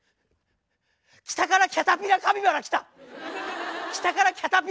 北からキャタピラカピバラ来た。